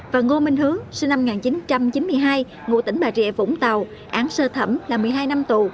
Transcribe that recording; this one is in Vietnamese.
và ngô minh hướng sinh năm một nghìn chín trăm chín mươi hai ngụ tỉnh bà rịa vũng tàu án sơ thẩm là một mươi hai năm tù